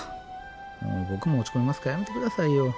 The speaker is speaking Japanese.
もうボクも落ち込みますからやめて下さいよ。